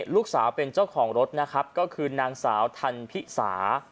ลูกสาวเป็นเจ้าของรถนะครับก็คือนางสาวทันพิสา